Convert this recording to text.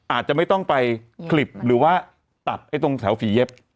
อาจจะไม่ต้องไปคลิบหรือว่าตัดตรงแถวฝีเย็บ